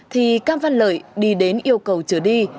thì cam văn lợi đi đến yêu cầu trở đi